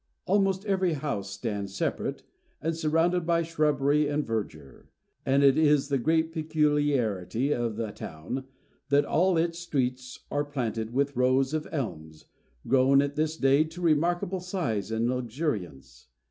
Almost every house stands separate, and surrounded by shrubbery and verdure; and it is the great peculiarity of the town, that all its streets are planted with rows of elms, grown at this day to remarkable size and luxuriance.